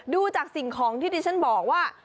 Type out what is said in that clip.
ดูจากสิ่งของที่ดิฉันบอกว่า